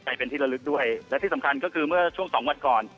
เป็นที่ละลึกด้วยและที่สำคัญก็คือเมื่อช่วงสองวันก่อน